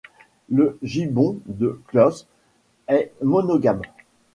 Le gibbon de Kloss est monogame.